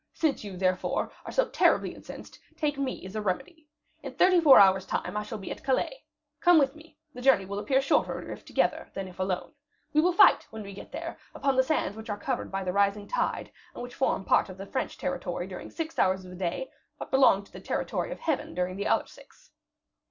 Since you, therefore, are so terribly incensed, take me as a remedy. In thirty four hours' time I shall be at Calais. Come with me; the journey will appear shorter if together, than if alone. We will fight, when we get there, upon the sands which are covered by the rising tide, and which form part of the French territory during six hours of the day, but belong to the territory of Heaven during the other six."